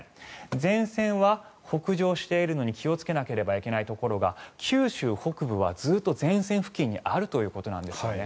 前線は北上しているのに気をつけなければいけないところが九州北部はずっと前線付近にあるということなんですよね。